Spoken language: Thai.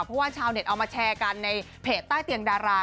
เพราะว่าชาวเน็ตเอามาแชร์กันในเพจใต้เตียงดารา